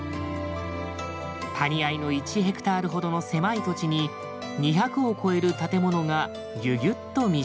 谷間の１ヘクタールほどの狭い土地に２００を超える建物がギュギュッと密集。